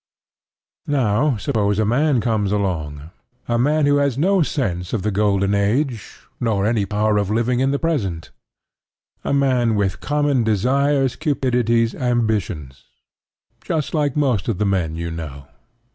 Now suppose a man comes along: a man who has no sense of the golden age, nor any power of living in the present: a man with common desires, cupidities, ambitions, just like most of the men you know.